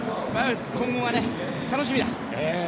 今後が楽しみだ。